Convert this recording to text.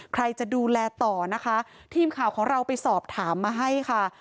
ใครจะดูแลต่อนะคะทีมข่าวของเราไปสอบถามมาให้ค่ะ